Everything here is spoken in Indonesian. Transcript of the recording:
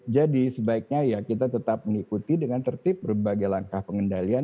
jadi sebaiknya kita tetap mengikuti dengan tertib berbagai langkah pengendalian